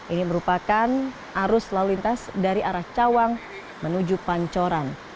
ini merupakan arus lalu lintas dari arah cawang menuju pancoran